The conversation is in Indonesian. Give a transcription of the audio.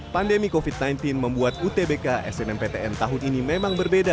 pandemi covid sembilan belas membuat utbk snmptn tahun ini memang berbeda